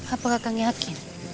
apakah kakak yakin